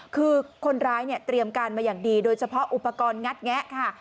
คือคนร้ายเนี่ยเตรียมการมาอย่างดีโดยเฉพาะอุปกรณ์งัดแงะค่ะ